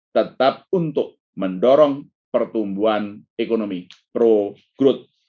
tetap untuk mendorong pertumbuhan ekonomi pro growth